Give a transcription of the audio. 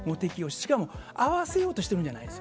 しかも合わせようとしているんじゃないんです。